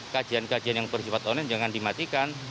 kajian kajian yang bersifat online jangan dimatikan